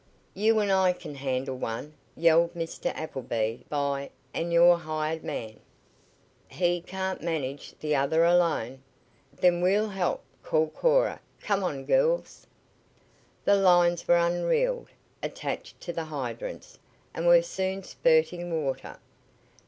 "You an' I can handle one!" yelled Mr. Apple by, "an' your hired man." "He can't manage th' other alone." "Then we'll help!" called Cora. "Come on, girls!" The lines were unreeled, attached to the hydrants, and were soon spurting water.